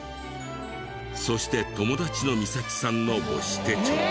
そして友達の美咲さんの母子手帳。